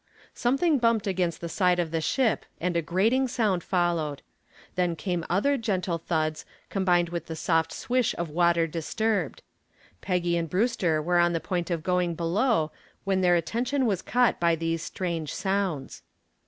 Something bumped against the side of the ship and a grating sound followed. Then came other gentle thuds combined with the soft swish of water disturbed. Peggy and Brewster were on the point of going below when their attention was caught by these strange sounds.